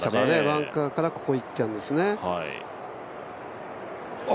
バンカーからここにいったんですね。